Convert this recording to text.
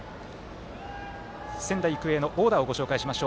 仙台育英のオーダーをご紹介します。